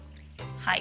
はい。